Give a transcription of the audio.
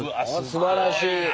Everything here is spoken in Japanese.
すばらしい。